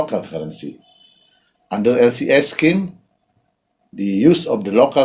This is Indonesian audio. dengan menggunakan keuangan lokal